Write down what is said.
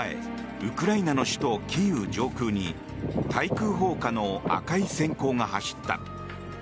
ウクライナの首都キーウ上空に対空砲火の赤い閃光が走った。